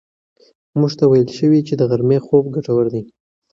موږ ته ویل شوي چې د غرمې خوب ګټور دی.